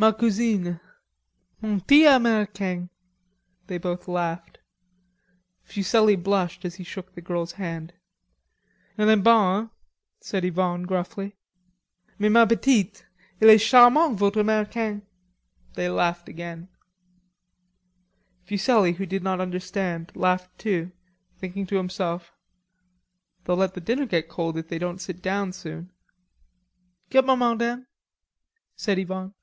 "Ma cousine.... Mon 'tit americain." They both laughed. Fuselli blushed as he shook the girl's hand. "Il est beau, hein?" said Yvonne gruffly. "Mais, ma petite, il est charmant, vot' americain!" They laughed again. Fuselli who did not understand laughed too, thinking to himself, "They'll let the dinner get cold if they don't sit down soon." "Get maman, Dan," said Yvonne.